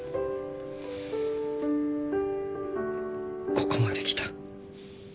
ここまで来た。